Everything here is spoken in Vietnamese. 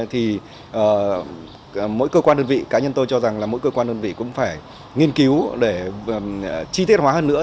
thì mỗi cơ quan đơn vị cá nhân tôi cho rằng là mỗi cơ quan đơn vị cũng phải nghiên cứu để chi tiết hóa hơn nữa